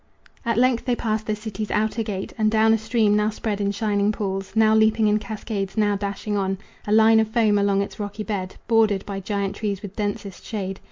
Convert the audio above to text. At length they passed the city's outer gate And down a stream, now spread in shining pools, Now leaping in cascades, now dashing on, A line of foam along its rocky bed, Bordered by giant trees with densest shade.